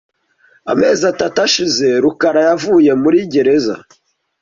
Amezi atatu ashize rukara yavuye muri gereza .